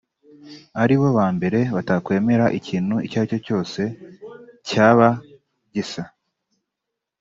ari bo ba mbere batakwemera ikintu icyo ari cyo cyose cyaba gisa